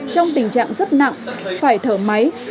trong tình trạng rất nặng phải thở máy